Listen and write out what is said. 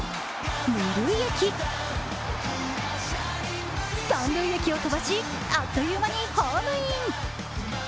二塁駅、三塁駅を飛ばしあっという間にホームイン！